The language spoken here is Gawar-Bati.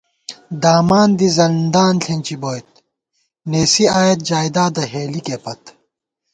دامان دی زندان ݪېنچی بوئیت ، نېسی آئیت جائیدادہ ہېلِکےپت